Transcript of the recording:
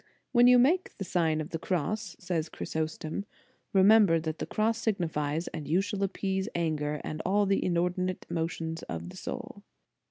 "When you make the Sign of the Cross," says St. Chrysostom, " remember what the cross signifies, and you shall appease anger and all the inordinate motions of the soul."